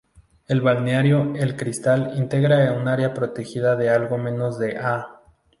El Balneario El Cristal integra un área protegida de algo menos de ha.